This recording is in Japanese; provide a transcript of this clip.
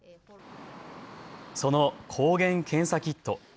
その抗原検査キット。